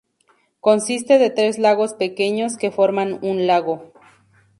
Consiste de tres lagos pequeños que forman un lago.